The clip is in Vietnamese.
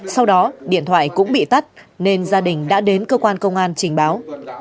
sau đó điện thoại cũng bị tắt nên gia đình đã đến cơ quan công an trình báo